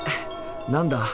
何だ？